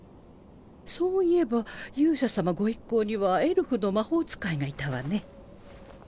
そういえば勇者様ご一行にはエルフの魔法使いがいたわね。